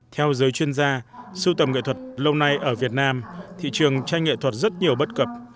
theo giới chuyên gia sưu tầm nghệ thuật lâu nay ở việt nam thị trường tranh nghệ thuật rất nhiều bất cập